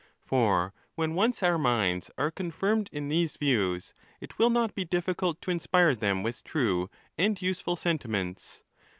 For when once our minds are confirmed in these views, it will not be difficult to inspire them with true and useful sentiments.